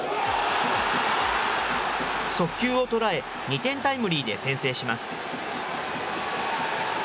速球を捉え、２点タイムリーで先制します。